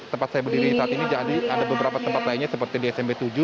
tempat saya berdiri saat ini jadi ada beberapa tempat lainnya seperti di smp tujuh